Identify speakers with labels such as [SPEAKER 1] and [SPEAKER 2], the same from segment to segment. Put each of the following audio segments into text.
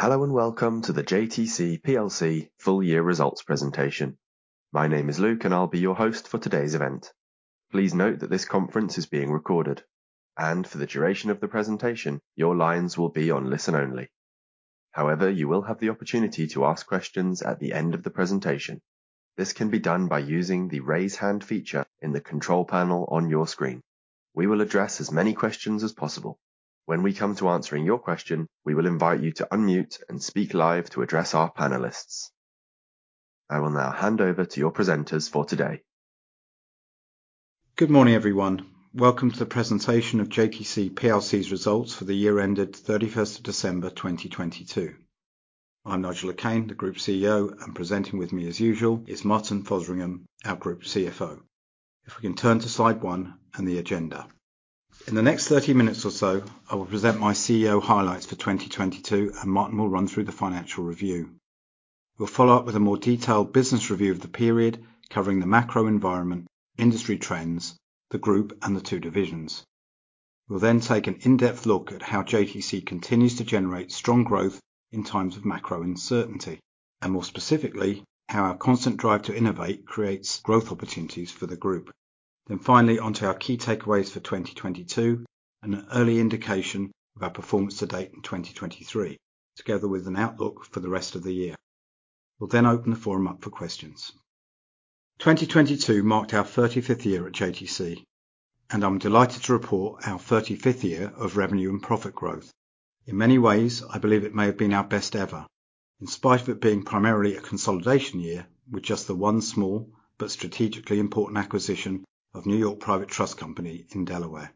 [SPEAKER 1] Hello and welcome to the JTC plc full year results presentation. My name is Luke, and I'll be your host for today's event. Please note that this conference is being recorded, and for the duration of the presentation, your lines will be on listen-only. However, you will have the opportunity to ask questions at the end of the presentation. This can be done by using the raise hand feature in the control panel on your screen. We will address as many questions as possible. When we come to answering your question, we will invite you to unmute and speak live to address our panelists. I will now hand over to your presenters for today.
[SPEAKER 2] Good morning, everyone. Welcome to the presentation of JTC plc's results for the year ended 31st of December 2022. I'm Nigel Le Quesne, the Group CEO, and presenting with me as usual is Martin Fotheringham, our Group CFO. If we can turn to slide 1 and the agenda. In the next 30 minutes or so, I will present my CEO highlights for 2022, and Martin will run through the financial review. We'll follow up with a more detailed business review of the period covering the macro-environment, industry trends, the group, and the two divisions. We'll then take an in-depth look at how JTC continues to generate strong growth in times of macro uncertainty, and more specifically, how our constant drive to innovate creates growth opportunities for the group. Finally, onto our key takeaways for 2022 and an early indication of our performance to date in 2023, together with an outlook for the rest of the year. We'll open the forum up for questions. 2022 marked our 35th year at JTC, I'm delighted to report our 35th year of revenue and profit growth. In many ways, I believe it may have been our best ever. In spite of it being primarily a consolidation year with just the one small but strategically important acquisition of New York Private Trust Company in Delaware.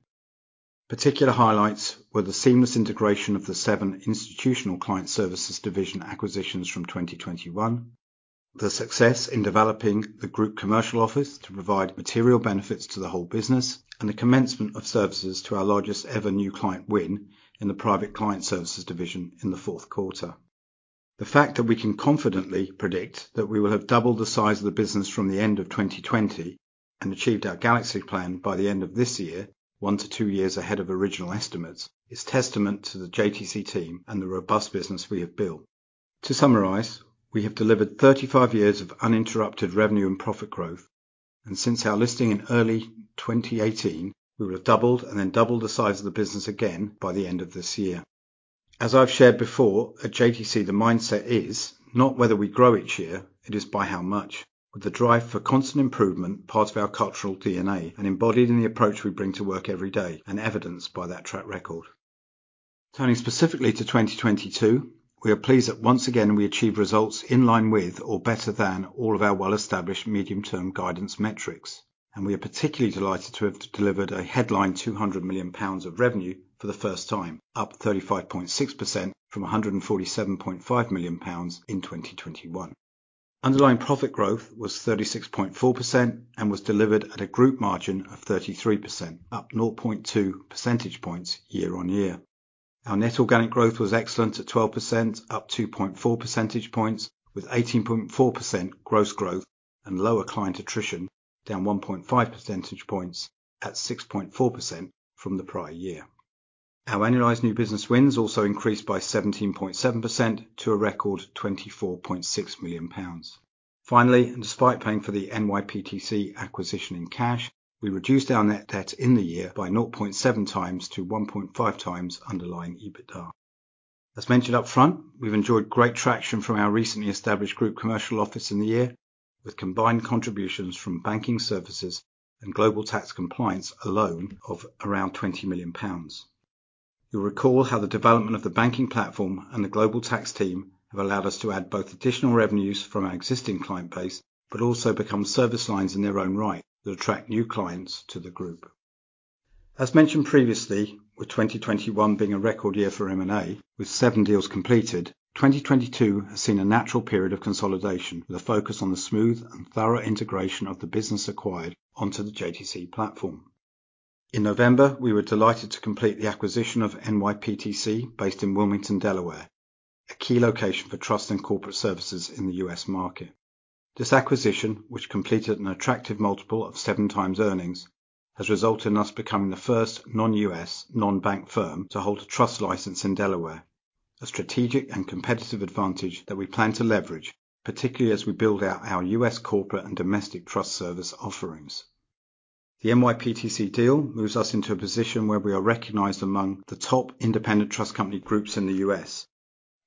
[SPEAKER 2] Particular highlights were the seamless integration of the seven institutional client services division acquisitions from 2021, the success in developing the Group Commercial Office to provide material benefits to the whole business, and the commencement of services to our largest ever new client win in the private client services division in the Q4. The fact that we can confidently predict that we will have doubled the size of the business from the end of 2020 and achieved our Galaxy plan by the end of this year, one to two years ahead of original estimates, is testament to the JTC team and the robust business we have built. To summarize, we have delivered 35 years of uninterrupted revenue and profit growth, and since our listing in early 2018, we will have doubled and then doubled the size of the business again by the end of this year. As I've shared before, at JTC, the mindset is not whether we grow each year, it is by how much. With the drive for constant improvement, part of our cultural DNA and embodied in the approach we bring to work every day and evidenced by that track record. Turning specifically to 2022, we are pleased that once again we achieve results in line with or better than all of our well-established medium-term guidance metrics. We are particularly delighted to have delivered a headline 200 million pounds of revenue for the first time, up 35.6% from 147.5 million pounds in 2021. Underlying profit growth was 36.4% and was delivered at a group margin of 33%, up 0.2 percentage points year-over-year. Our net organic growth was excellent at 12%, up 2.4 percentage points, with 18.4% gross growth and lower client attrition down 1.5 percentage points at 6.4% from the prior year. Our annualized new business wins also increased by 17.7% to a record 24.6 million pounds. Despite paying for the NYPTC acquisition in cash, we reduced our net debt in the year by 0.7x to 1.5x underlying EBITDA. As mentioned upfront, we've enjoyed great traction from our recently established Group Commercial Office in the year, with combined contributions from banking services and global tax compliance alone of around 20 million pounds. You'll recall how the development of the banking platform and the global tax team have allowed us to add both additional revenues from our existing client base, but also become service lines in their own right that attract new clients to the group. Mentioned previously, with 2021 being a record year for M&A, with 7 deals completed, 2022 has seen a natural period of consolidation, with a focus on the smooth and thorough integration of the business acquired onto the JTC platform. In November, we were delighted to complete the acquisition of NYPTC based in Wilmington, Delaware, a key location for trust and corporate services in the U.S. market. This acquisition, which completed an attractive multiple of 7 times earnings, has resulted in us becoming the first non-U.S., non-bank firm to hold a trust license in Delaware, a strategic and competitive advantage that we plan to leverage, particularly as we build out our U.S. corporate and domestic trust service offerings. The NYPTC deal moves us into a position where we are recognized among the top independent trust company groups in the U.S.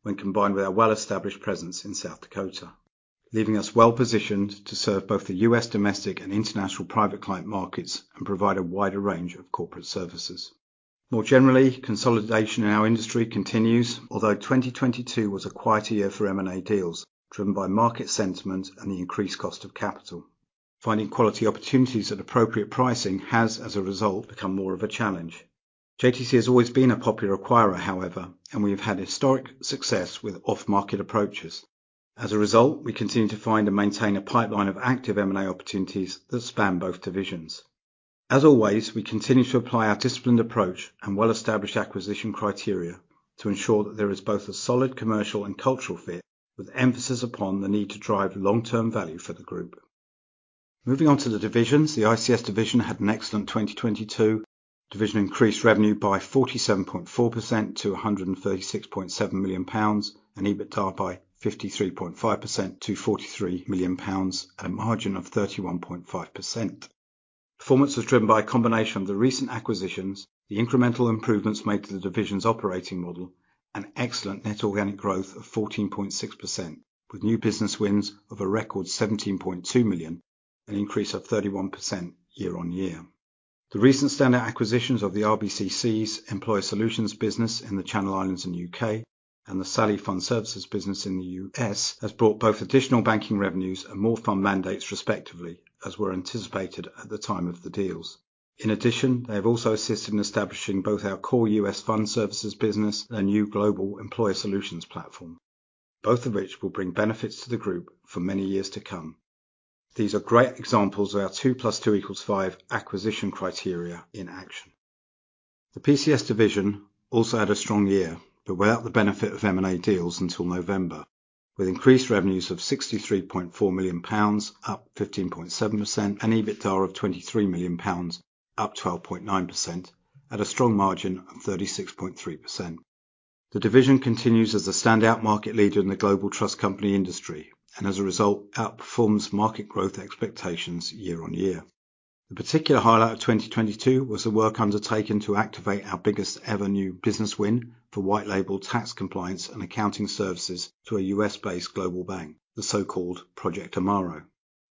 [SPEAKER 2] when combined with our well-established presence in South Dakota, leaving us well-positioned to serve both the U.S. domestic and international private client markets and provide a wider range of corporate services. More generally, consolidation in our industry continues, although 2022 was a quieter year for M&A deals, driven by market sentiment and the increased cost of capital. Finding quality opportunities at appropriate pricing has, as a result, become more of a challenge. JTC has always been a popular acquirer, however, and we have had historic success with off-market approaches. As a result, we continue to find and maintain a pipeline of active M&A opportunities that span both divisions. As always, we continue to apply our disciplined approach and well-established acquisition criteria to ensure that there is both a solid commercial and cultural fit with emphasis upon the need to drive long-term value for the group. Moving on to the divisions. The ICS division had an excellent 2022. Division increased revenue by 47.4% to 136.7 million pounds, and EBITDA by 53.5% to 43 million pounds at a margin of 31.5%. Performance was driven by a combination of the recent acquisitions, the incremental improvements made to the division's operating model, and excellent net organic growth of 14.6%, with new business wins of a record 17.2 million, an increase of 31% year-on-year. The recent standard acquisitions of the RBC CEES employer Solutions business in the Channel Islands and U.K., and the SALI Fund Services business in the U.S., has brought both additional banking revenues and more fund mandates respectively, as were anticipated at the time of the deals. In addition, they have also assisted in establishing both our core U.S. fund services business and new Global Employer Solutions platform, both of which will bring benefits to the group for many years to come. These are great examples of our 2 + 2 = 5 acquisition criteria in action. The PCS division also had a strong year, without the benefit of M&A deals until November, with increased revenues of 63.4 million pounds, up 15.7%, and EBITDA of 23 million pounds, up 12.9%, at a strong margin of 36.3%. The division continues as a standout market leader in the global trust company industry, and as a result, outperforms market growth expectations year on year. The particular highlight of 2022 was the work undertaken to activate our biggest ever new business win for white label tax compliance and accounting services to a U.S.-based global bank, the so-called Project Amaro.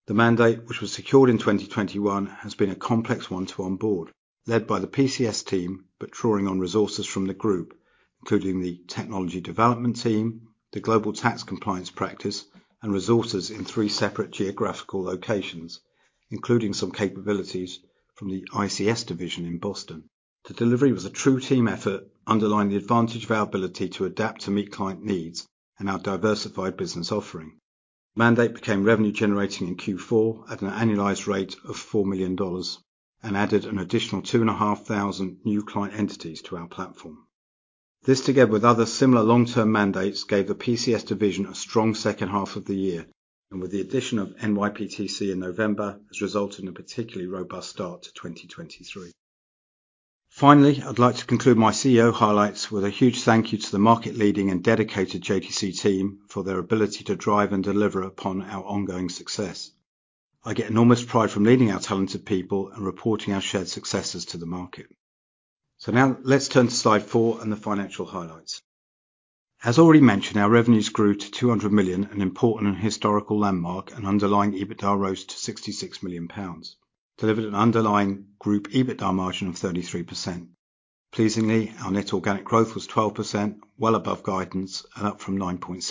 [SPEAKER 2] The mandate, which was secured in 2021, has been a complex one to onboard, led by the PCS team, but drawing on resources from the group, including the technology development team, the global tax compliance practice, and resources in 3 separate geographical locations, including some capabilities from the ICS division in Boston. The delivery was a true team effort, underlying the advantage of our ability to adapt to meet client needs and our diversified business offering. Mandate became revenue generating in Q4 at an annualized rate of $4 million and added an additional 2,500 new client entities to our platform. This, together with other similar long-term mandates, gave the PCS division a strong H2 of the year, and with the addition of NYPTC in November, has resulted in a particularly robust start to 2023. Finally, I'd like to conclude my CEO highlights with a huge thank you to the market leading and dedicated JTC team for their ability to drive and deliver upon our ongoing success. I get enormous pride from leading our talented people and reporting our shared successes to the market. Now let's turn to slide 4 and the financial highlights. As already mentioned, our revenues grew to 200 million, an important and historical landmark, and underlying EBITDA rose to 66 million pounds, delivered an underlying group EBITDA margin of 33%. Pleasingly, our net organic growth was 12%, well above guidance, and up from 9.6%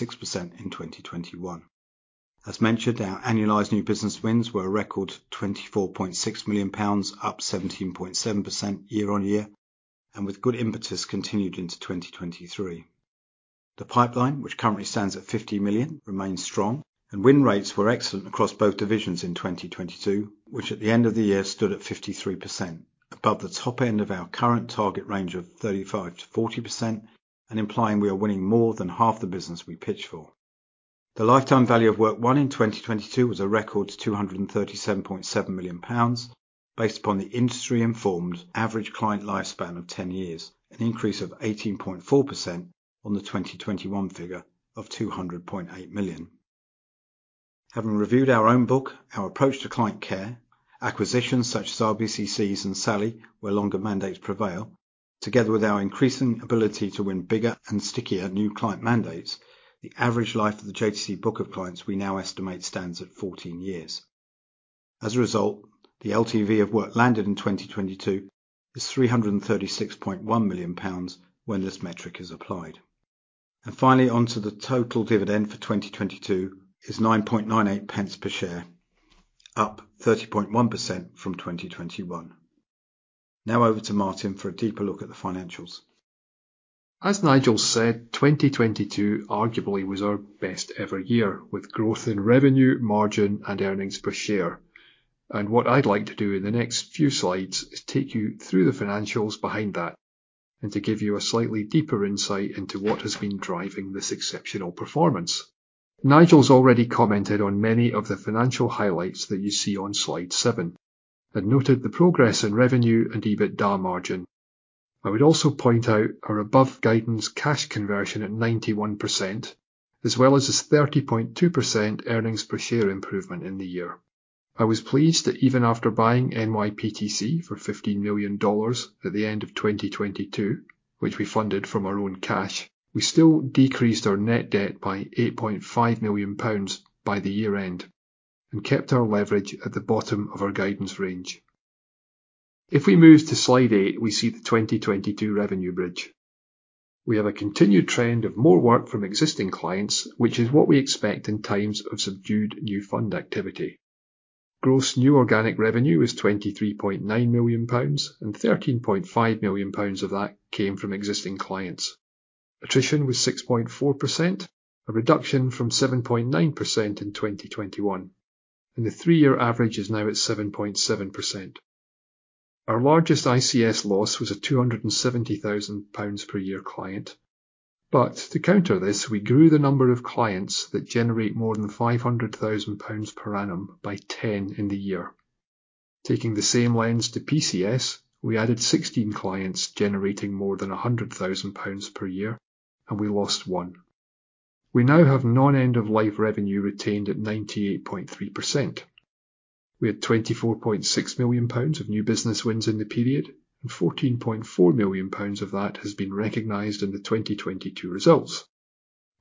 [SPEAKER 2] in 2021. As mentioned, our annualized new business wins were a record 24.6 million pounds, up 17.7% year-on-year, and with good impetus continued into 2023. The pipeline, which currently stands at 50 million, remains strong. Win rates were excellent across both divisions in 2022, which at the end of the year stood at 53%, above the top end of our current target range of 35%-40% and implying we are winning more than half the business we pitch for. The lifetime value of work won in 2022 was a record 237.7 million pounds based upon the industry-informed average client lifespan of 10 years, an increase of 18.4% on the 2021 figure of 200.8 million. Having reviewed our own book, our approach to client care, acquisitions such RBC CEES and SALI, where longer mandates prevail, together with our increasing ability to win bigger and stickier new client mandates, the average life of the JTC book of clients we now estimate stands at 14 years. As a result, the LTV of work landed in 2022 is 336.1 million pounds when this metric is applied. Finally, on to the total dividend for 2022 is 9.98 pence per share, up 30.1% from 2021. Over to Martin for a deeper look at the financials.
[SPEAKER 3] As Nigel said, 2022 arguably was our best ever year, with growth in revenue, margin, and earnings per share. What I'd like to do in the next few slides is take you through the financials behind that and to give you a slightly deeper insight into what has been driving this exceptional performance. Nigel's already commented on many of the financial highlights that you see on slide seven, and noted the progress in revenue and EBITDA margin. I would also point out our above guidance cash conversion at 91%, as well as this 30.2% earnings per share improvement in the year. I was pleased that even after buying NYPTC for $15 million at the end of 2022, which we funded from our own cash, we still decreased our net debt by 8.5 million pounds by the year-end and kept our leverage at the bottom of our guidance range. We move to slide 8, we see the 2022 revenue bridge. We have a continued trend of more work from existing clients, which is what we expect in times of subdued new fund activity. Gross new organic revenue was 23.9 million pounds, and 13.5 million pounds of that came from existing clients. Attrition was 6.4%, a reduction from 7.9% in 2021, and the 3-year average is now at 7.7%. Our largest ICS loss was a 270,000 pounds per year client. To counter this, we grew the number of clients that generate more than 500,000 pounds per annum by 10 in the year. Taking the same lens to PCS, we added 16 clients generating more than 100,000 pounds per year, and we lost 1. We now have non-end of life revenue retained at 98.3%. We had 24.6 million pounds of new business wins in the period, and 14.4 million pounds of that has been recognized in the 2022 results,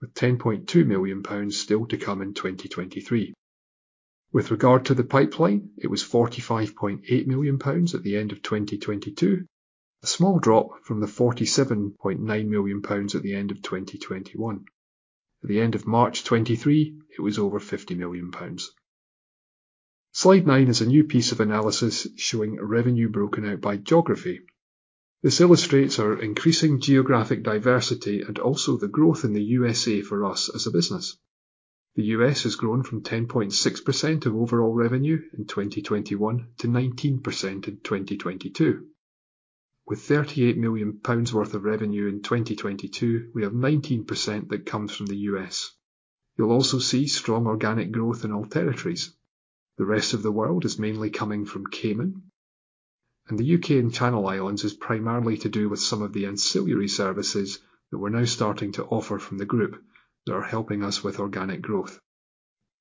[SPEAKER 3] with 10.2 million pounds still to come in 2023. With regard to the pipeline, it was 45.8 million pounds at the end of 2022, a small drop from the 47.9 million pounds at the end of 2021. At the end of March 2023, it was over 50 million pounds. Slide 9 is a new piece of analysis showing revenue broken out by geography. This illustrates our increasing geographic diversity and also the growth in the U.S.A. for us as a business. The U.S. has grown from 10.6% of overall revenue in 2021 to 19% in 2022. With GBP 38 million worth of revenue in 2022, we have 19% that comes from the U.S. You'll also see strong organic growth in all territories. The rest of the world is mainly coming from Cayman, and the U.K. and Channel Islands is primarily to do with some of the ancillary services that we're now starting to offer from the group that are helping us with organic growth.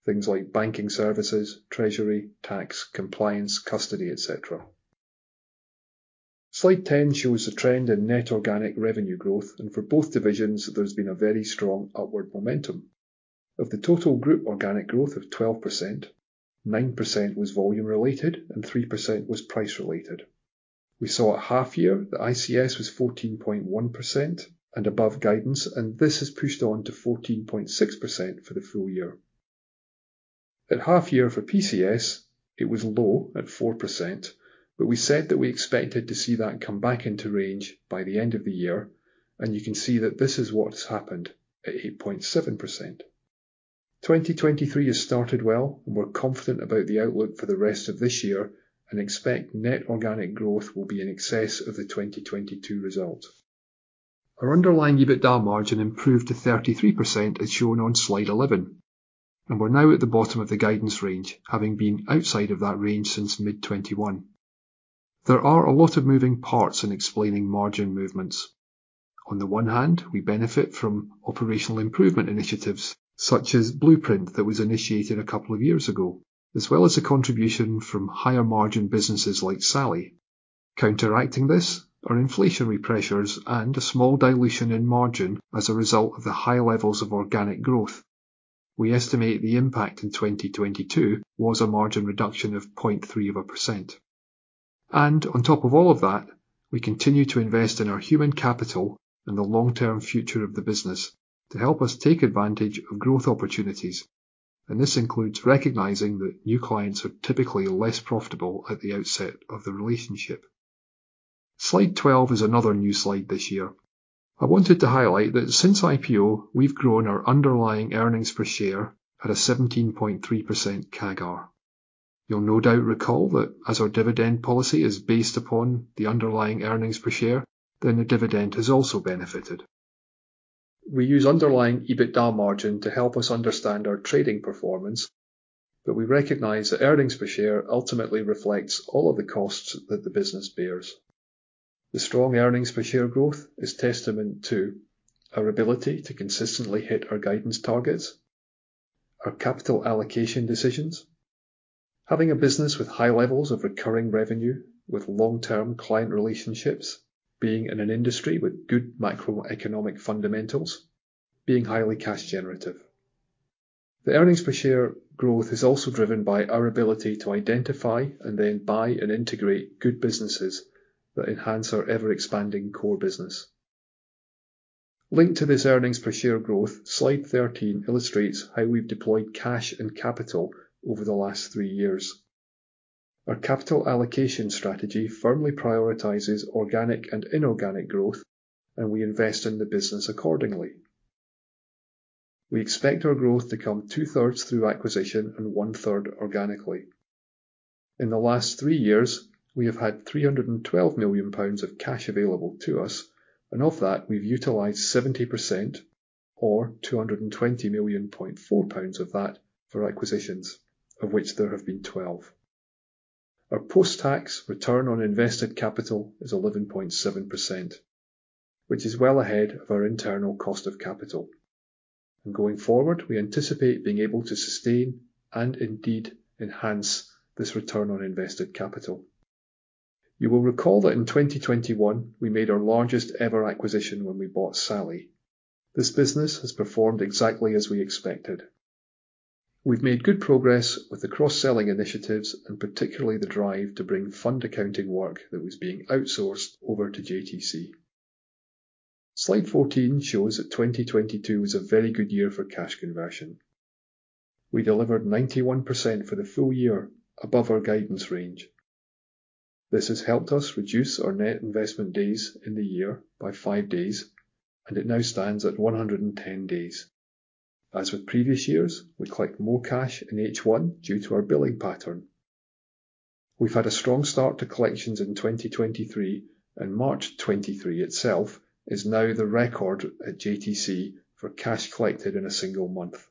[SPEAKER 3] Things like banking services, treasury, tax, compliance, custody, etc. Slide 10 shows the trend in net organic revenue growth. For both divisions, there's been a very strong upward momentum. Of the total group organic growth of 12%, 9% was volume-related and 3% was price-related. We saw at half year the ICS was 14.1% and above guidance, this has pushed on to 14.6% for the full year. At half year for PCS, it was low at 4%, we said that we expected to see that come back into range by the end of the year, you can see that this is what has happened at 8.7%. 2023 has started well, we're confident about the outlook for the rest of this year and expect net organic growth will be in excess of the 2022 result. Our underlying EBITDA margin improved to 33%, as shown on slide 11. We're now at the bottom of the guidance range, having been outside of that range since mid-2021. There are a lot of moving parts in explaining margin movements. On the one hand, we benefit from operational improvement initiatives, such as Blueprint that was initiated a couple of years ago, as well as a contribution from higher margin businesses like SALI. Counteracting this are inflationary pressures and a small dilution in margin as a result of the high levels of organic growth. We estimate the impact in 2022 was a margin reduction of 0.3%. On top of all of that, we continue to invest in our human capital and the long-term future of the business to help us take advantage of growth opportunities. This includes recognizing that new clients are typically less profitable at the outset of the relationship. Slide 12 is another new slide this year. I wanted to highlight that since IPO, we've grown our underlying earnings per share at a 17.3% CAGR. You'll no doubt recall that as our dividend policy is based upon the underlying earnings per share, the dividend has also benefited. We use underlying EBITDA margin to help us understand our trading performance. We recognize that earnings per share ultimately reflects all of the costs that the business bears. The strong earnings per share growth is testament to our ability to consistently hit our guidance targets, our capital allocation decisions, having a business with high levels of recurring revenue, with long-term client relationships, being in an industry with good macroeconomic fundamentals, being highly cash generative. The earnings per share growth is also driven by our ability to identify and then buy and integrate good businesses that enhance our ever-expanding core business. Linked to this earnings per share growth, slide 13 illustrates how we've deployed cash and capital over the last three years. Our capital allocation strategy firmly prioritizes organic and inorganic growth. We invest in the business accordingly. We expect our growth to come 2/3 through acquisition and 1/3 organically. In the last three years, we have had 312 million pounds of cash available to us, and of that, we've utilized 70% or 220.4 million pounds of that for acquisitions, of which there have been 12. Our post-tax return on invested capital is 11.7%, which is well ahead of our internal cost of capital. Going forward, we anticipate being able to sustain and indeed enhance this return on invested capital. You will recall that in 2021, we made our largest ever acquisition when we bought SALI. This business has performed exactly as we expected. We've made good progress with the cross-selling initiatives and particularly the drive to bring fund accounting work that was being outsourced over to JTC. Slide 14 shows that 2022 was a very good year for cash conversion. We delivered 91% for the full year above our guidance range. This has helped us reduce our net investment days in the year by 5 days, it now stands at 110 days. As with previous years, we collect more cash in H1 due to our billing pattern. We've had a strong start to collections in 2023, and March 2023 itself is now the record at JTC for cash collected in a single month.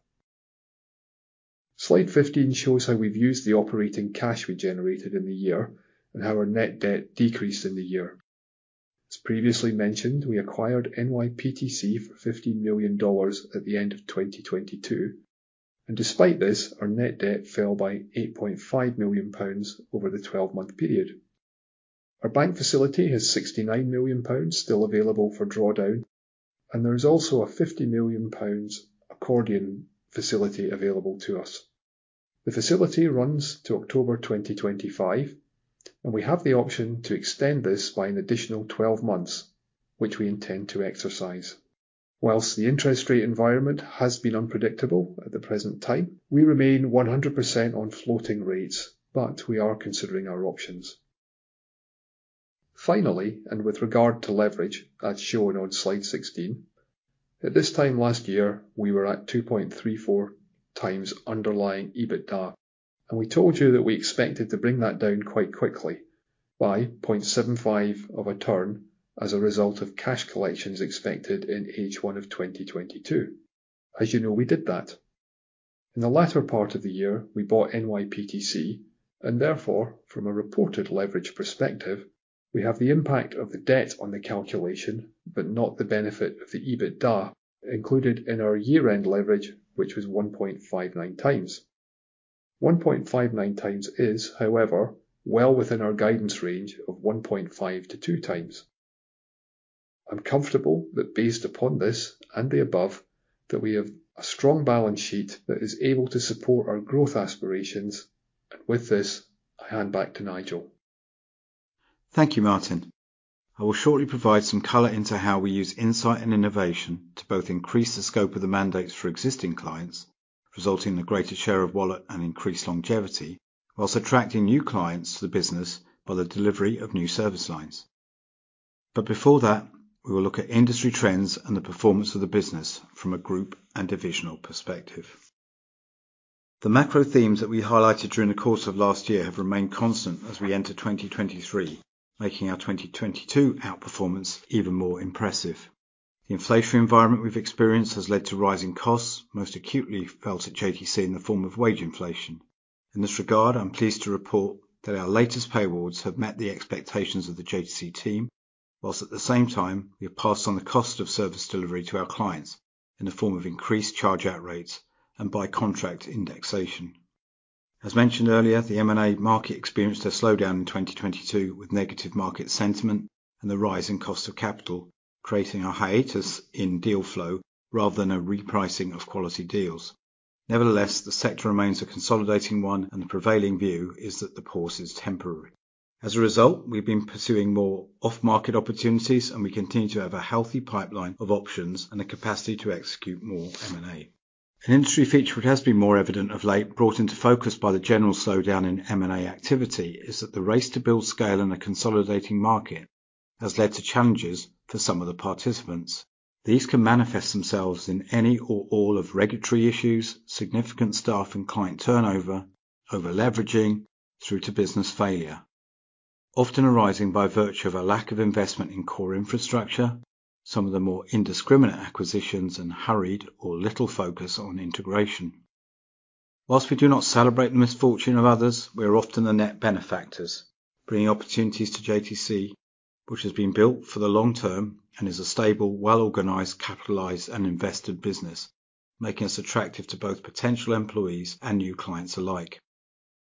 [SPEAKER 3] Slide 15 shows how we've used the operating cash we generated in the year and how our net debt decreased in the year. As previously mentioned, we acquired NYPTC for $15 million at the end of 2022, despite this, our net debt fell by 8.5 million pounds over the 12-month period. Our bank facility has 69 million pounds still available for drawdown, and there is also a 50 million pounds accordion facility available to us. The facility runs to October 2025, and we have the option to extend this by an additional 12 months, which we intend to exercise. Whilst the interest rate environment has been unpredictable at the present time, we remain 100% on floating rates, but we are considering our options. Finally, and with regard to leverage, as shown on slide 16, at this time last year, we were at 2.34x underlying EBITDA, and we told you that we expected to bring that down quite quickly by 0.75 of a turn as a result of cash collections expected in H1 of 2022. As you know, we did that. In the latter part of the year, we bought NYPTC and therefore, from a reported leverage perspective, we have the impact of the debt on the calculation, but not the benefit of the EBITDA included in our year-end leverage, which was 1.59 times. 1.59 times is, however, well within our guidance range of 1.5-2 times. I'm comfortable that based upon this and the above that we have a strong balance sheet that is able to support our growth aspirations. With this, I hand back to Nigel.
[SPEAKER 2] Thank you, Martin. I will shortly provide some color into how we use insight and innovation to both increase the scope of the mandates for existing clients, resulting in a greater share of wallet and increased longevity, while attracting new clients to the business by the delivery of new service lines. Before that, we will look at industry trends and the performance of the business from a group and divisional perspective. The macro themes that we highlighted during the course of last year have remained constant as we enter 2023, making our 2022 outperformance even more impressive. The inflationary environment we've experienced has led to rising costs, most acutely felt at JTC in the form of wage inflation. In this regard, I'm pleased to report that our latest pay awards have met the expectations of the JTC team, while at the same time, we have passed on the cost of service delivery to our clients in the form of increased charge-out rates and by contract indexation. As mentioned earlier, the M&A market experienced a slowdown in 2022 with negative market sentiment and the rise in cost of capital, creating a hiatus in deal flow rather than a repricing of quality deals. Nevertheless, the sector remains a consolidating one, and the prevailing view is that the pause is temporary. As a result, we've been pursuing more off-market opportunities, and we continue to have a healthy pipeline of options and the capacity to execute more M&A. An industry feature that has been more evident of late, brought into focus by the general slowdown in M&A activity, is that the race to build scale in a consolidating market has led to challenges for some of the participants. These can manifest themselves in any or all of regulatory issues, significant staff and client turnover, over-leveraging through to business failure, often arising by virtue of a lack of investment in core infrastructure, some of the more indiscriminate acquisitions and hurried or little focus on integration. Whilst we do not celebrate the misfortune of others, we are often the net benefactors, bringing opportunities to JTC, which has been built for the long term and is a stable, well-organized, capitalized, and invested business, making us attractive to both potential employees and new clients alike.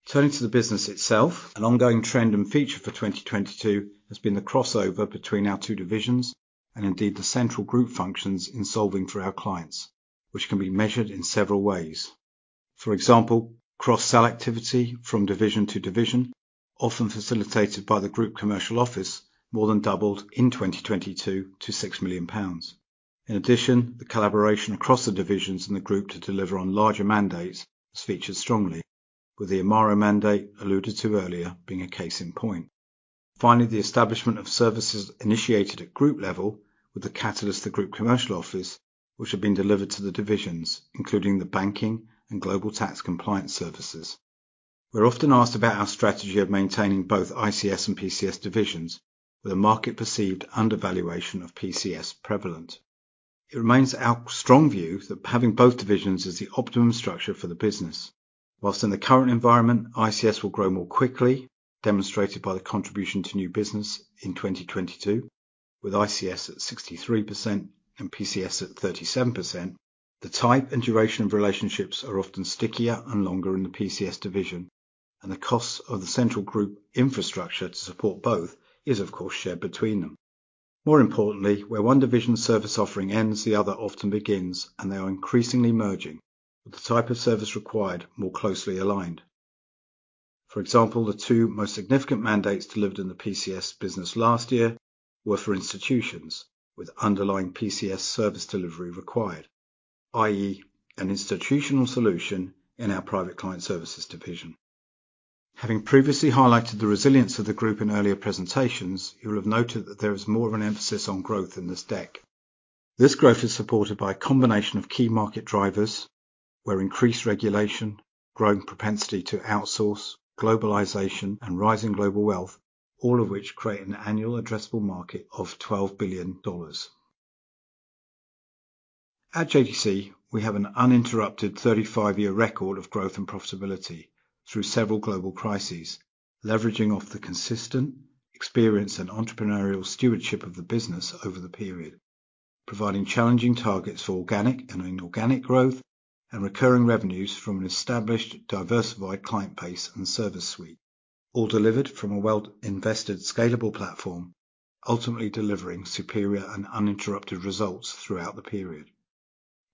[SPEAKER 2] Turning to the business itself, an ongoing trend and feature for 2022 has been the crossover between our two divisions, and indeed the central group functions in solving for our clients, which can be measured in several ways. For example, cross-sell activity from division to division, often facilitated by the Group Commercial Office, more than doubled in 2022 to 6 million pounds. The collaboration across the divisions in the group to deliver on larger mandates has featured strongly, with the Amaro mandate alluded to earlier being a case in point. The establishment of services initiated at group level with the catalyst, the Group Commercial Office, which have been delivered to the divisions, including the banking and global tax compliance services. We're often asked about our strategy of maintaining both ICS and PCS divisions with a market-perceived undervaluation of PCS prevalent. It remains our strong view that having both divisions is the optimum structure for the business. Whilst in the current environment, ICS will grow more quickly, demonstrated by the contribution to new business in 2022, with ICS at 63% and PCS at 37%. The type and duration of relationships are often stickier and longer in the PCS division, and the costs of the central group infrastructure to support both is, of course, shared between them. More importantly, where one division service offering ends, the other often begins, and they are increasingly merging, with the type of service required more closely aligned. For example, the two most significant mandates delivered in the PCS business last year were for institutions with underlying PCS service delivery required, i.e., an institutional solution in our Private Client Services Division. Having previously highlighted the resilience of the group in earlier presentations, you will have noted that there is more of an emphasis on growth in this deck. This growth is supported by a combination of key market drivers, where increased regulation, growing propensity to outsource, globalization and rising global wealth, all of which create an annual addressable market of $12 billion. At JTC, we have an uninterrupted 35-year record of growth and profitability through several global crises, leveraging off the consistent experience and entrepreneurial stewardship of the business over the period, providing challenging targets for organic and inorganic growth and recurring revenues from an established, diversified client base and service suite, all delivered from a well-invested, scalable platform, ultimately delivering superior and uninterrupted results throughout the period.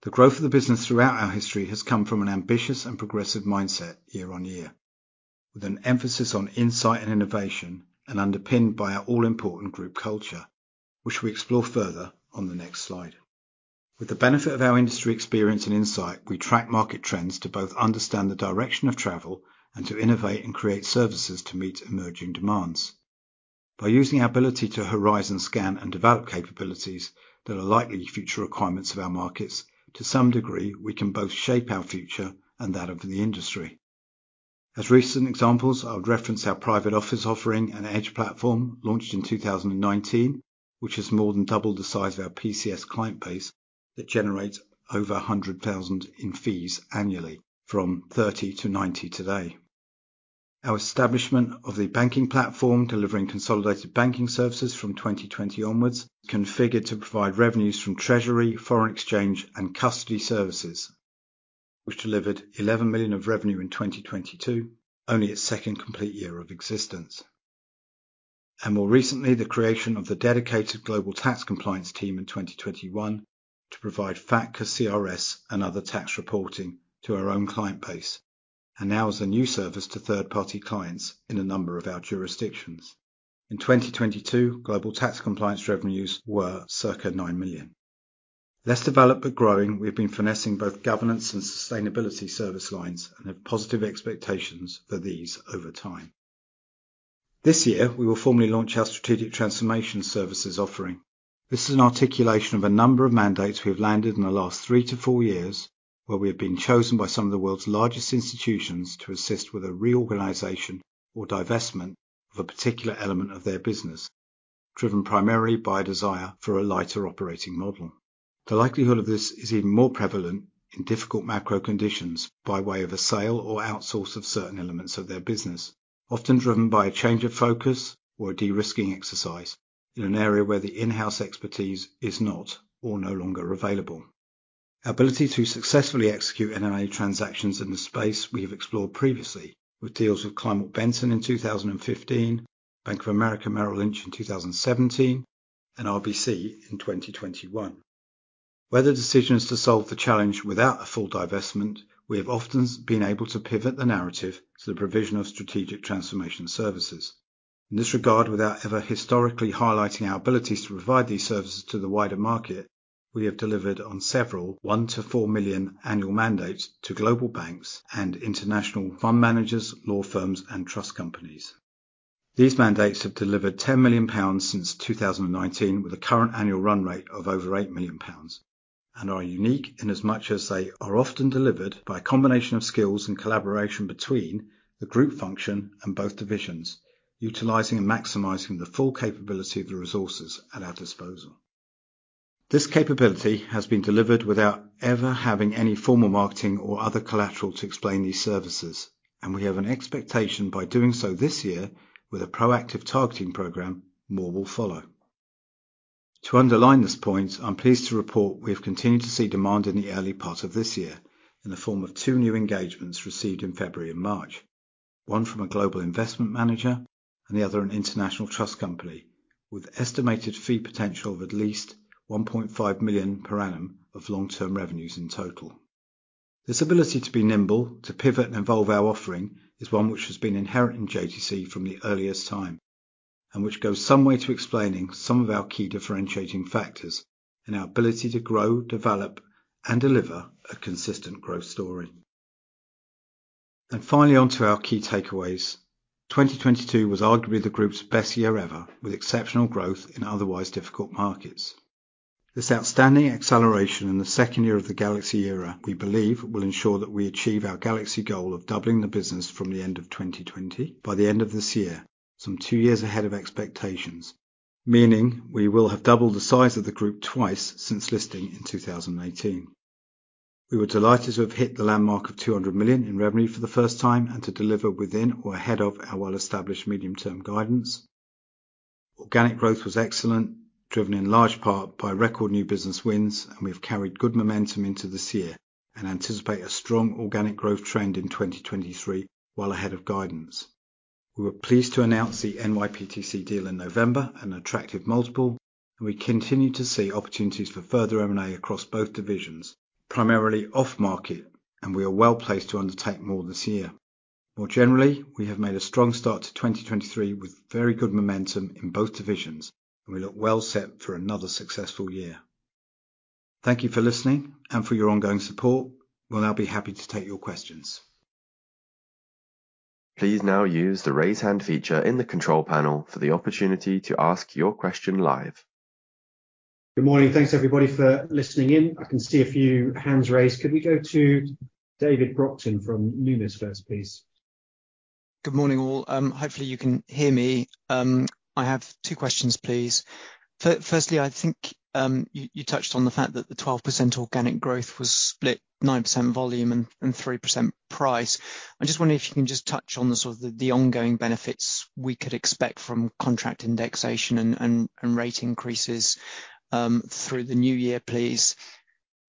[SPEAKER 2] The growth of the business throughout our history has come from an ambitious and progressive mindset year on year, with an emphasis on insight and innovation and underpinned by our all-important group culture, which we explore further on the next slide. With the benefit of our industry experience and insight, we track market trends to both understand the direction of travel and to innovate and create services to meet emerging demands. By using our ability to horizon scan and develop capabilities that are likely future requirements of our markets, to some degree we can both shape our future and that of the industry. As recent examples, I would reference our Private Office offering and Edge platform launched in 2019, which has more than doubled the size of our PCS client base that generates over 100,000 in fees annually from 30 to 90 today. Our establishment of the banking platform delivering consolidated banking services from 2020 onwards, configured to provide revenues from treasury, foreign exchange and custody services, which delivered 11 million of revenue in 2022, only its second complete year of existence. More recently, the creation of the dedicated global tax compliance team in 2021 to provide FATCA, CRS and other tax reporting to our own client base, and now as a new service to third-party clients in a number of our jurisdictions. In 2022, global tax compliance revenues were circa 9 million. Less developed but growing, we have been finessing both governance and sustainability service lines and have positive expectations for these over time. This year, we will formally launch our Strategic Transformation services offering. This is an articulation of a number of mandates we have landed in the last 3-4 years, where we have been chosen by some of the world's largest institutions to assist with a reorganization or divestment of a particular element of their business, driven primarily by a desire for a lighter operating model. The likelihood of this is even more prevalent in difficult macro conditions by way of a sale or outsource of certain elements of their business, often driven by a change of focus or a de-risking exercise in an area where the in-house expertise is not or no longer available. Our ability to successfully execute M&A transactions in the space we have explored previously with deals with Kleinwort Benson in 2015, Bank of America Merrill Lynch in 2017, and RBC in 2021. Where the decision is to solve the challenge without a full divestment, we have often been able to pivot the narrative to the provision of Strategic Transformation services. In this regard, without ever historically highlighting our abilities to provide these services to the wider market, we have delivered on several 1 million-4 million annual mandates to global banks and international fund managers, law firms and trust companies. These mandates have delivered 10 million pounds since 2019, with a current annual run rate of over 8 million pounds, and are unique in as much as they are often delivered by a combination of skills and collaboration between the group function and both divisions, utilizing and maximizing the full capability of the resources at our disposal. This capability has been delivered without ever having any formal marketing or other collateral to explain these services. We have an expectation by doing so this year with a proactive targeting program, more will follow. To underline this point, I'm pleased to report we have continued to see demand in the early part of this year in the form of 2 new engagements received in February and March. One from a global investment manager and the other an international trust company, with estimated fee potential of at least 1.5 million per annum of long-term revenues in total. This ability to be nimble, to pivot and evolve our offering is one which has been inherent in JTC from the earliest time, and which goes some way to explaining some of our key differentiating factors in our ability to grow, develop and deliver a consistent growth story. Finally, on to our key takeaways. 2022 was arguably the group's best year ever, with exceptional growth in otherwise difficult markets. This outstanding acceleration in the second year of the Galaxy era, we believe, will ensure that we achieve our Galaxy goal of doubling the business from the end of 2020 by the end of this year, some two years ahead of expectations, meaning we will have doubled the size of the group twice since listing in 2018. We were delighted to have hit the landmark of 200 million in revenue for the first time and to deliver within or ahead of our well-established medium-term guidance. Organic growth was excellent, driven in large part by record new business wins. We have carried good momentum into this year and anticipate a strong organic growth trend in 2023, well ahead of guidance. We were pleased to announce the NYPTC deal in November, an attractive multiple. We continue to see opportunities for further M&A across both divisions, primarily off-market. We are well-placed to undertake more this year. More generally, we have made a strong start to 2023 with very good momentum in both divisions. We look well set for another successful year. Thank you for listening and for your ongoing support. We'll now be happy to take your questions.
[SPEAKER 1] Please now use the Raise Hand feature in the control panel for the opportunity to ask your question live.
[SPEAKER 2] Good morning. Thanks everybody for listening in. I can see a few hands raised. Could we go to David Brockton from Numis first, please?
[SPEAKER 4] Good morning, all. Hopefully you can hear me. I have two questions, please. Firstly, I think, you touched on the fact that the 12% organic growth was split 9% volume and 3% price. I'm just wondering if you can just touch on the sort of the ongoing benefits we could expect from contract indexation and rate increases through the new year, please.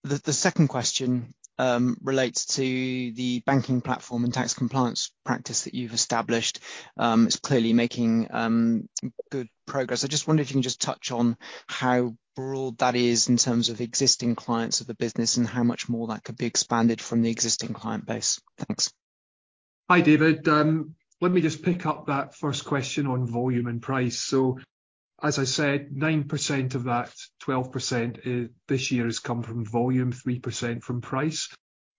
[SPEAKER 4] The second question relates to the banking platform and tax compliance practice that you've established. It's clearly making good progress. I just wonder if you can just touch on how broad that is in terms of existing clients of the business and how much more that could be expanded from the existing client base. Thanks.
[SPEAKER 3] Hi, David. Let me just pick up that first question on volume and price. As I said, 9% of that 12% this year has come from volume, 3% from price.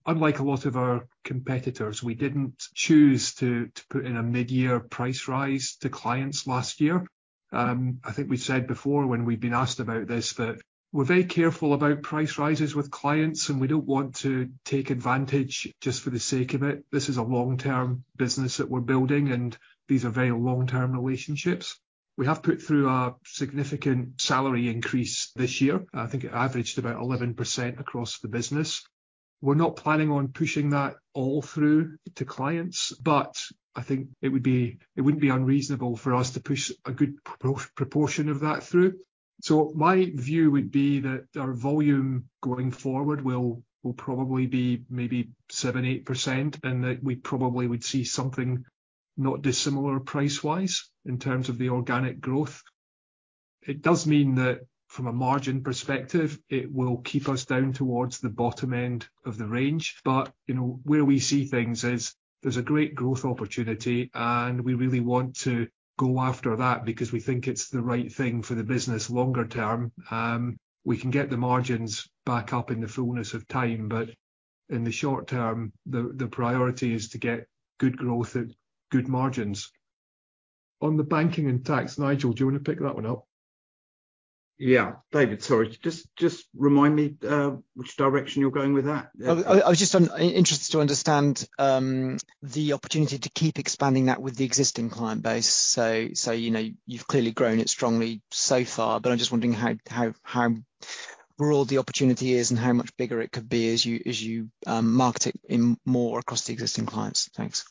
[SPEAKER 3] Unlike a lot of our competitors, we didn't choose to put in a mid-year price rise to clients last year. I think we said before when we've been asked about this, that we're very careful about price rises with clients, and we don't want to take advantage just for the sake of it. This is a long-term business that we're building, and these are very long-term relationships. We have put through a significant salary increase this year. I think it averaged about 11% across the business. We're not planning on pushing that all through to clients, but I think it would be... it wouldn't be unreasonable for us to push a good proportion of that through. My view would be that our volume going forward will probably be maybe 7%-8%, and that we probably would see something not dissimilar price-wise in terms of the organic growth. It does mean that from a margin perspective, it will keep us down towards the bottom end of the range. You know, where we see things is there's a great growth opportunity, and we really want to go after that because we think it's the right thing for the business longer term. We can get the margins back up in the fullness of time, in the short term, the priority is to get good growth at good margins. On the banking and tax, Nigel, do you wanna pick that one up?
[SPEAKER 2] Yeah. David, sorry, just remind me, which direction you're going with that? Yeah.
[SPEAKER 4] I was just interested to understand the opportunity to keep expanding that with the existing client base. You know, you've clearly grown it strongly so far, but I'm just wondering how broad the opportunity is and how much bigger it could be as you market it in more across the existing clients. Thanks.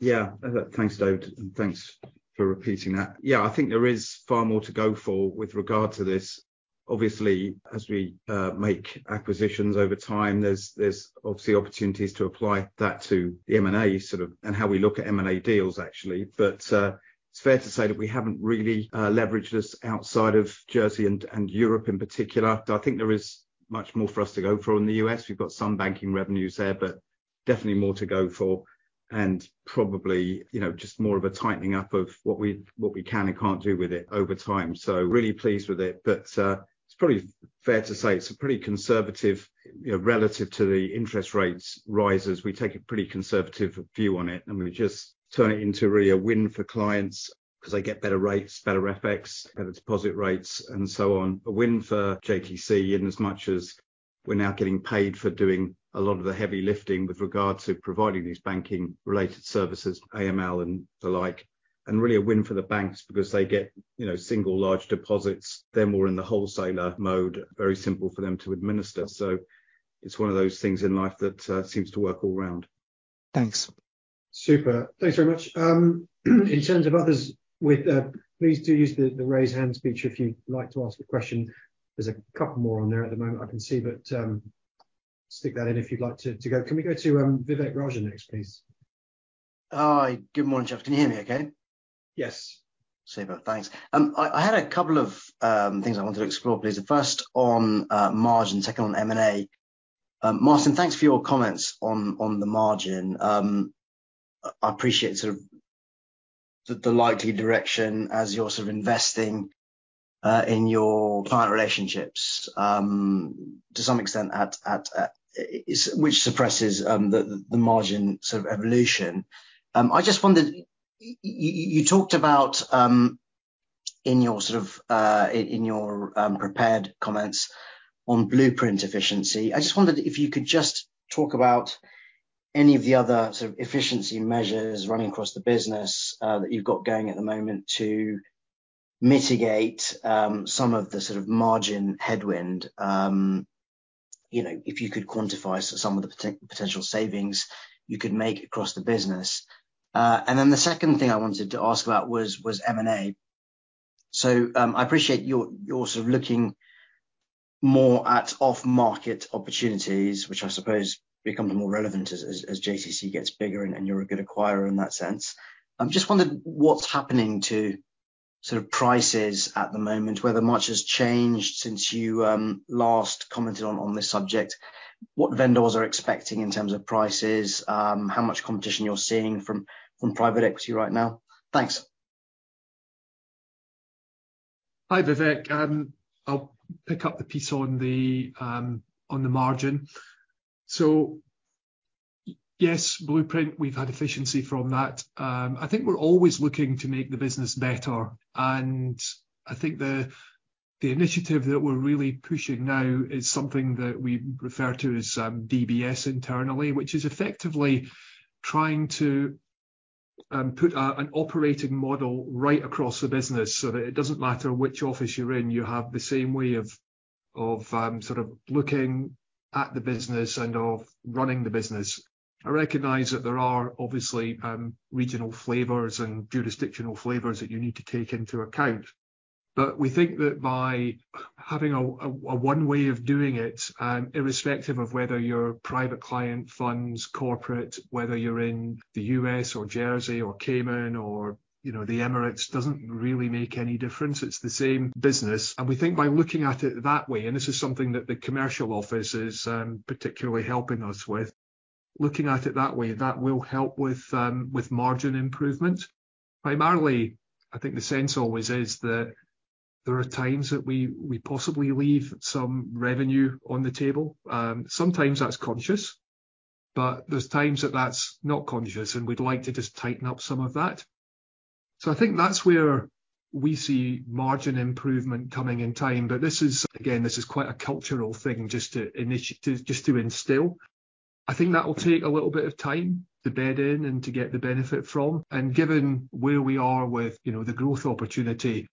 [SPEAKER 2] Yeah. Thanks, David, and thanks for repeating that. Yeah, I think there is far more to go for with regard to this. Obviously, as we make acquisitions over time, there's obviously opportunities to apply that to the M&A sort of... and how we look at M&A deals actually. It's fair to say that we haven't really leveraged this outside of Jersey and Europe in particular. I think there is much more for us to go for in the U.S. We've got some banking revenues there, but definitely more to go for, and probably, you know, just more of a tightening up of what we can and can't do with it over time. Really pleased with it. It's probably fair to say it's a pretty conservative, you know, relative to the interest rates rises. We take a pretty conservative view on it. We just turn it into really a win for clients 'cause they get better rates, better FX, better deposit rates, and so on. A win for JTC in as much as we're now getting paid for doing a lot of the heavy lifting with regard to providing these banking related services, AML and the like. Really a win for the banks because they get, you know, single large deposits. They're more in the wholesaler mode. Very simple for them to administer. It's one of those things in life that seems to work all round.
[SPEAKER 4] Thanks.
[SPEAKER 2] Super. Thanks very much. In terms of others with, please do use the raise hand feature if you'd like to ask a question. There's a couple more on there at the moment I can see, but stick that in if you'd like to go. Can we go to Vivek Raja next, please?
[SPEAKER 5] Hi. Good morning, gents. Can you hear me okay?
[SPEAKER 2] Yes.
[SPEAKER 5] Super. Thanks. I had a couple of things I wanted to explore, please. The first on margin, second on M&A. Martin, thanks for your comments on the margin. I appreciate sort of the likely direction as you're sort of investing in your client relationships, to some extent, which suppresses the margin sort of evolution. I just wondered, you talked about, in your sort of, in your prepared comments on Blueprint efficiency. I just wondered if you could just talk about any of the other sort of efficiency measures running across the business that you've got going at the moment to mitigate some of the sort of margin headwind, you know, if you could quantify some of the potential savings you could make across the business. The second thing I wanted to ask about was M&A. I appreciate you're sort of looking more at off-market opportunities, which I suppose becomes more relevant as JTC gets bigger and you're a good acquirer in that sense. I'm just wondering what's happening to sort of prices at the moment, whether much has changed since you last commented on this subject. What vendors are expecting in terms of prices, how much competition you're seeing from private equity right now? Thanks.
[SPEAKER 3] Hi, Vivek. I'll pick up the piece on the on the margin. Yes, Blueprint, we've had efficiency from that. I think we're always looking to make the business better, and I think the initiative that we're really pushing now is something that we refer to as DBS internally which is effectively trying to put out an operating model right across the business so that it doesn't matter which office you're in, you have the same way of sort of looking at the business and of running the business. I recognize that there are obviously, regional flavors and jurisdictional flavors that you need to take into account. We think that by having one way of doing it, irrespective of whether you're private client, funds, corporate, whether you're in the U.S. or Jersey or Cayman or, you know, the Emirates, doesn't really make any difference. It's the same business. We think by looking at it that way, and this is something that the Group Commercial Office is particularly helping us with, looking at it that way, that will help with margin improvements. Primarily, I think the sense always is that there are times that we possibly leave some revenue on the table. Sometimes that's conscious, but there's times that that's not conscious, and we'd like to just tighten up some of that. I think that's where we see margin improvement coming in time. This is, again, this is quite a cultural thing just to instill. I think that will take a little bit of time to bed in and to get the benefit from. Given where we are with, you know, the growth opportunity,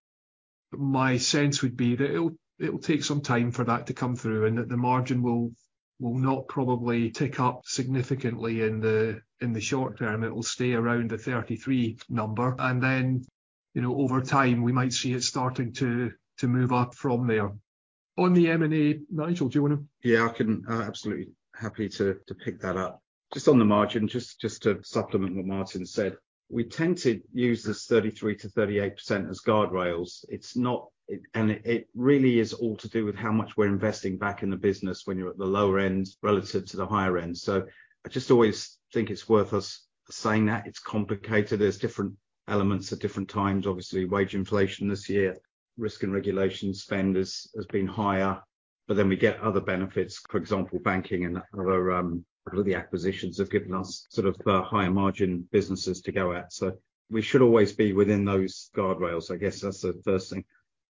[SPEAKER 3] my sense would be that it'll take some time for that to come through and that the margin will not probably tick up significantly in the short term. It'll stay around the 33 number and then, you know, over time we might see it starting to move up from there. On the M&A, Nigel, do you wanna...?
[SPEAKER 2] Yeah, I can absolutely happy to pick that up. Just on the margin, just to supplement what Martin said. We tend to use this 33%-38% as guardrails. It's not. It really is all to do with how much we're investing back in the business when you're at the lower end relative to the higher end. I just always think it's worth us saying that. It's complicated. There's different elements at different times. Obviously, wage inflation this year. Risk and regulation spend has been higher. We get other benefits, for example, banking and other acquisitions have given us sort of the higher margin businesses to go at. We should always be within those guardrails. I guess that's the first thing.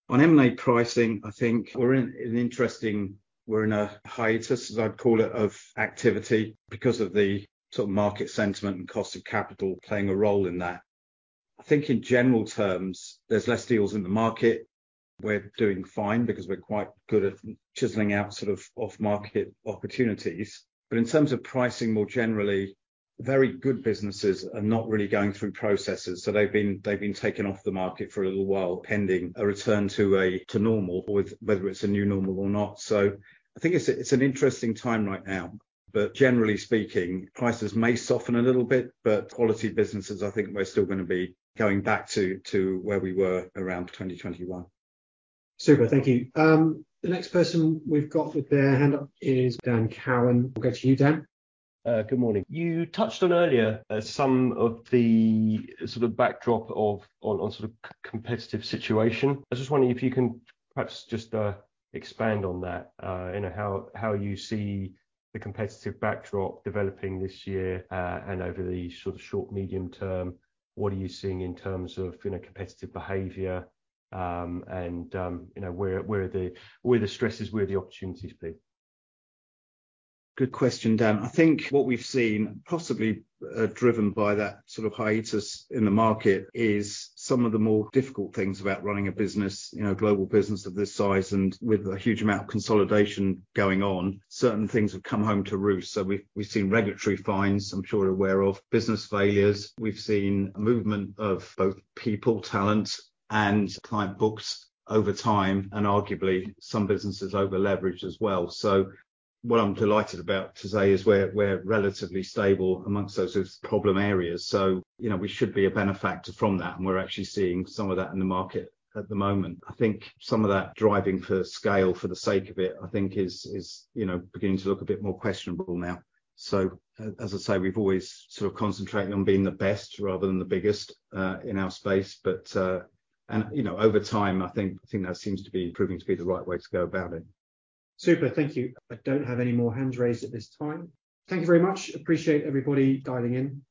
[SPEAKER 2] On M&A pricing, I think we're in an interesting... We're in a hiatus, as I'd call it, of activity because of the sort of market sentiment and cost of capital playing a role in that. I think in general terms, there's less deals in the market. We're doing fine because we're quite good at chiseling out sort of off-market opportunities. In terms of pricing more generally, very good businesses are not really going through processes, so they've been taken off the market for a little while, pending a return to normal, with whether it's a new normal or not. I think it's an interesting time right now, but generally speaking, prices may soften a little bit. Quality businesses, I think we're still gonna be going back to where we were around 2021.
[SPEAKER 1] Super. Thank you. The next person we've got with their hand up is Daniel Cowan. We'll go to you, Dan.
[SPEAKER 6] Good morning. You touched on earlier, some of the sort of backdrop of competitive situation. I was just wondering if you can perhaps just expand on that. You know, how you see the competitive backdrop developing this year, and over the sort of short, medium term. What are you seeing in terms of, you know, competitive behavior? You know, where are the stresses, where are the opportunities be?
[SPEAKER 2] Good question, Dan. I think what we've seen, possibly, driven by that sort of hiatus in the market, is some of the more difficult things about running a business, you know, a global business of this size and with a huge amount of consolidation going on. Certain things have come home to roost. We've seen regulatory fines, I'm sure you're aware of. Business failures. We've seen movement of both people, talent, and client books over time, and arguably some businesses over-leveraged as well. What I'm delighted about to say is we're relatively stable amongst those sort of problem areas. You know, we should be a benefactor from that, and we're actually seeing some of that in the market at the moment. I think some of that driving for scale for the sake of it, I think is, you know, beginning to look a bit more questionable now. As I say, we've always sort of concentrated on being the best rather than the biggest in our space. You know, over time, I think that seems to be proving to be the right way to go about it.
[SPEAKER 1] Super. Thank you. I don't have any more hands raised at this time. Thank you very much. Appreciate everybody dialing in.